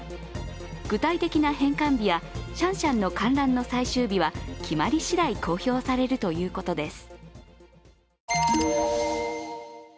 具体的な返還日やシャンシャンの観覧の最終日は決まりしだい公表されるということです。